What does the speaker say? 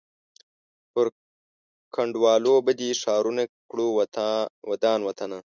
پر کنډوالو به دي ښارونه کړو ودان وطنه